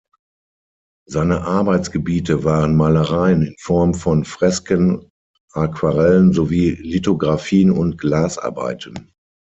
Seine Arbeitsgebiete waren Malereien in Form von Fresken, Aquarellen sowie Lithographien und Glasarbeiten.